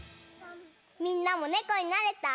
みんなもねこになれた？